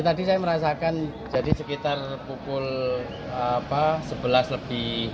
tadi saya merasakan jadi sekitar pukul sebelas lebih